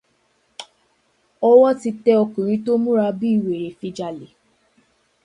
Ọwọ́ ti tẹ ọkùnrin tó múra bí wèrè fi jalè.